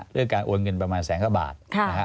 เรื่องการโอนเงินประมาณแสนกว่าบาทนะฮะ